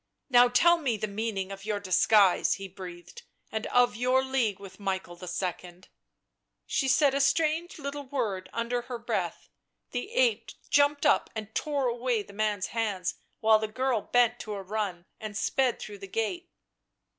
"Now tell me the meaning of your disguise," he breathed —" and of your league with Michael II." She said a strange little word underneath her breath; the ape jumped up and tore away the man's hands while the girl bent to a run and sped through the gate.